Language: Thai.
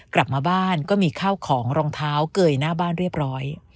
กลับมาบ้านก็มีข้าวของรองเท้าเกยหน้าบ้านเรียบร้อย